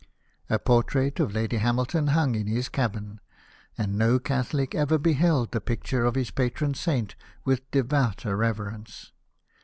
A portrait of Lady Hamilton hung in his cabin ; and no Cathohc ever beheld the picture of his patron saint with devouter reverence.